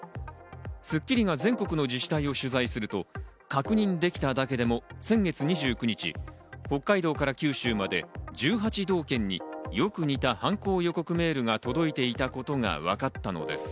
『スッキリ』が全国の自治体を取材すると、確認できただけでも、先月２９日、北海道から九州まで１８道県によく似た犯行予告メールが届いていたことがわかったのです。